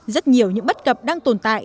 rất nhiều những bất cập đang tồn tại